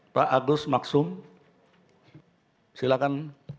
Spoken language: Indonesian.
pak agus maksum silakan